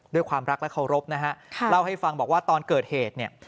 ด้วยความรักและเคารพนะฮะเล่าให้ฟังบอกว่าตอนเกิดเหตุเนี่ย